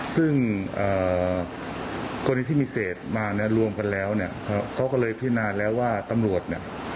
ซึ่งกรณีที่มีเศษมาเนี่ยรวมกันแล้วเนี่ยเขาก็เลยพินาแล้วว่าตำรวจเนี่ย